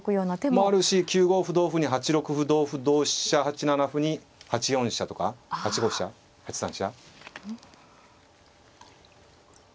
もあるし９五歩同歩に８六歩同歩同飛車８七歩に８四飛車とか８五飛車８三飛車。